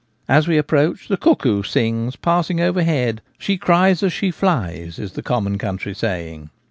As we approach, the cuckoo sings passing over head ;* she cries as she flies ' is the common country saying.